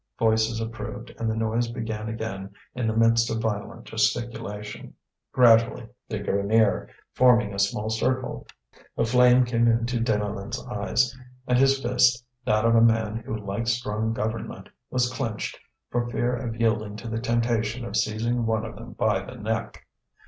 Voices approved, and the noise began again in the midst of violent gesticulation. Gradually they drew near, forming a small circle. A flame came into Deneulin's eyes, and his fist, that of a man who liked strong government, was clenched, for fear of yielding to the temptation of seizing one of them by the neck.